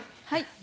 はい。